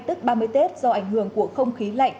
tức ba mươi tết do ảnh hưởng của không khí lạnh